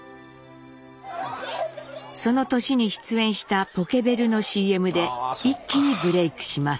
その年に出演したポケベルのＣＭで一気にブレークします。